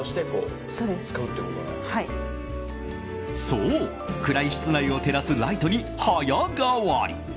そう、暗い室内を照らすライトに早変わり。